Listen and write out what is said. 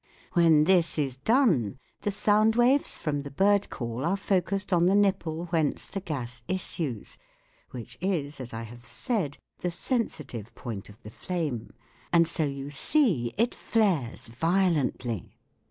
When this is done the sound waves from the bird call are focused on the nipple whence the gas issues, which is, as I have said, the sensitive point of the flame, and so, you see, it flares violently.